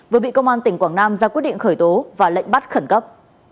vừa bị công an tỉnh quảng nam ra quyết định khởi tố và lệnh bắt khẩn cấp